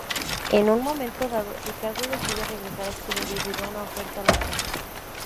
En un momento dado, Ricardo decide regresar a Chile debido a una oferta laboral.